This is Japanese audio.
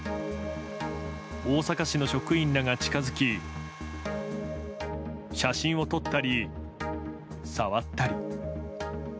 大阪市の職員らが近づき写真を撮ったり触ったり。